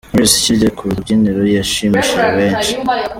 Maurice Kirya ku rubyiniro yashimishije benshi.